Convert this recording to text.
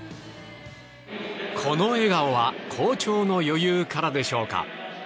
この笑顔は好調の余裕からでしょうか。